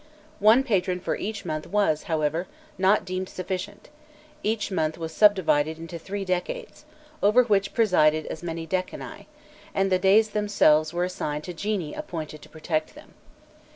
One patron for each month was, however, not deemed sufficient: each month was subdivided into three decades, over which presided as many decani, and the days themselves were assigned to genii appointed to protect them.